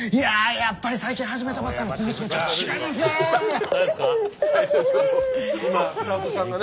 やっぱり最近始めたばっかりの小娘とは違いますね！